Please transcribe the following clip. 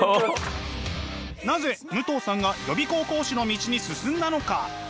なぜ武藤さんが予備校講師の道に進んだのか？